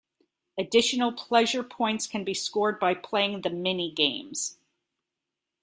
Additional pleasure points can be scored by playing the minigames.